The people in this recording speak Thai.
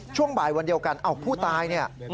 ช่วงบ่ายวันเดียวกันผู้ตายเนี่ย